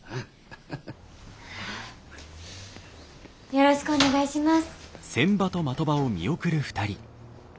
よろしくお願いします。